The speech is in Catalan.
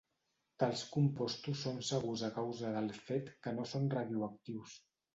Tals compostos són segurs a causa del fet que no són radioactius.